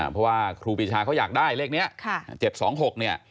เพราะว่าครูปีชาเขาอยากได้เลขนี้